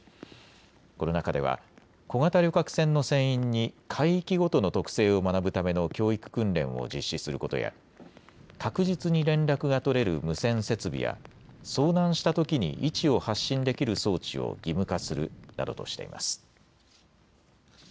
この中では小型旅客船の船員に海域ごとの特性を学ぶための教育訓練を実施することや確実に連絡が取れる無線設備や遭難したときに位置を発信できる装置を義務化するなどとしています。